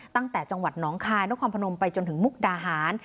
ตั้งแต่จังหวัดน้องคายนครพนมไปจนถึงมุกดาหาร